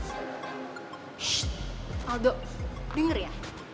shhh aldo denger ya